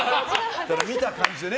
見た感じでね。